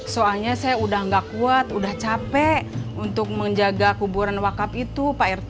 soalnya saya udah gak kuat udah capek untuk menjaga kuburan wakaf itu pak rt